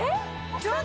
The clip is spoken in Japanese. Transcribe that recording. ちょっと。